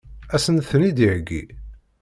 Ad sen-ten-id-iheggi?